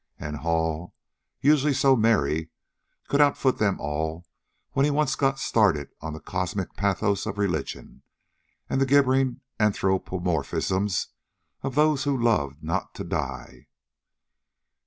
And Hall, usually so merry, could outfoot them all when he once got started on the cosmic pathos of religion and the gibbering anthropomorphisms of those who loved not to die.